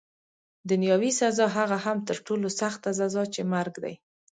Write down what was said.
دنیاوي سزا، هغه هم تر ټولو سخته سزا چي مرګ دی.